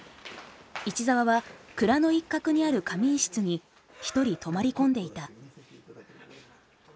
市澤は蔵の一角にある仮眠室に一人泊まり込んでいた。